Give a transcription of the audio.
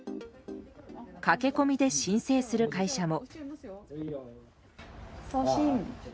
駆け込みで申請する会社も。